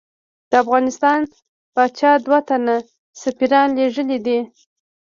د افغانستان پاچا دوه تنه سفیران لېږلی دي.